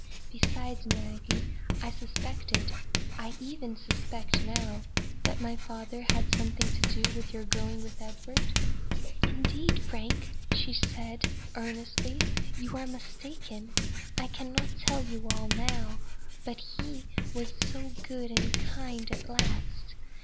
Besides, Maggie, I suspected I even suspect now that my father had something to do with your going with Edward?" "Indeed, Frank!" said she, earnestly, "you are mistaken; I cannot tell you all now; but he was so good and kind at last.